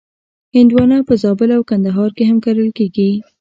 هندوانه په زابل او کندهار کې هم کرل کېږي.